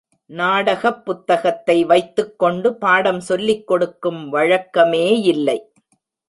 நாடகப் புத்தகத்தை வைத்துக் கொண்டு பாடம் சொல்லிக் கொடுக்கும் வழக்கமேயில்லை.